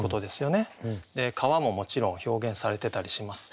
川ももちろん表現されてたりします。